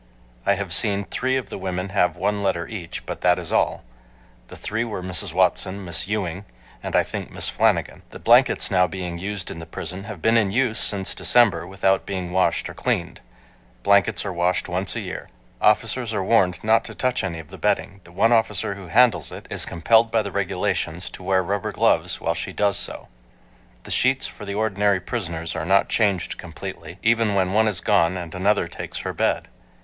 I have Seen three of the women have one letter each, but that is all. The three were Mrs. Watson, Miss Ewing, and I think Miss Flanagan. The blankets now being used in the prison have been in use since December without being washed or cleaned. Blankets are washed once a year. Officers are warned not to touch any of the bedding. The one officer who handles it is compelled by the regulations to wear rubber gloves while she does so. The sheets for the ordinary prisoners are not changed completely, even when one is gone and another takes her bed.